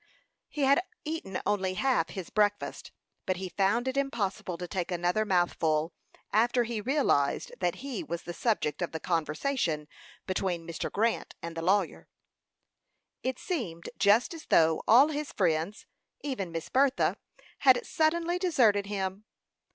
He had eaten only half his breakfast, but he found it impossible to take another mouthful, after he realized that he was the subject of the conversation between Mr. Grant and the lawyer. It seemed just as though all his friends, even Miss Bertha, had suddenly deserted him.